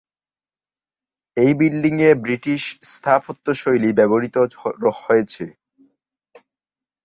এই বিল্ডিংয়ে ব্রিটিশ স্থাপত্যশৈলী ব্যবহৃত হয়েছে।